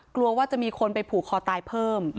กลัวว่าจะมีคนไปผูกคอตายเพิ่ม